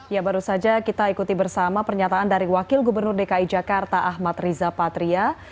ya baru saja kita ikuti bersama pernyataan dari wakil gubernur dki jakarta ahmad riza patria